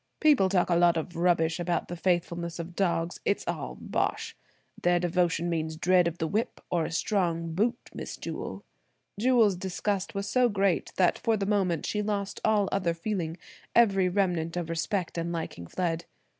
People talk a lot of rubbish about the faithfulness of dogs. It's all bosh! Their devotion means dread of the whip, or a strong boot, Miss Jewel." Jewel's disgust was so great that for the moment she lost all other feeling, every remnant of respect and liking fled.